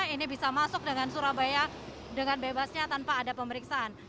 ini bisa masuk dengan surabaya dengan bebasnya tanpa ada pemeriksaan